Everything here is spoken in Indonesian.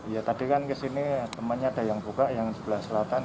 ya tadi kan kesini temannya ada yang buka yang sebelah selatan